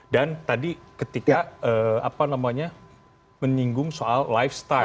dan tadi ketika apa namanya menyinggung soal lifestyle